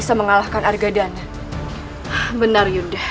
sehingga hanya ellah